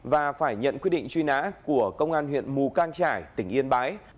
và phải nhận quyết định truy nã của công an huyện mù cang trải tỉnh yên bái